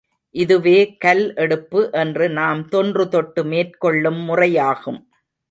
இதுவே கல் எடுப்பு என்று நாம் தொன்று தொட்டு மேற்கொள்ளும் முறையாகும்.